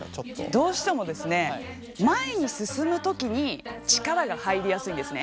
どうしても前に進む時に力が入りやすいんですね。